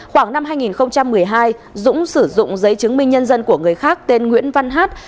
khoảng năm hai nghìn một mươi hai dũng sử dụng giấy chứng minh nhân dân của người khác tên nguyễn văn hát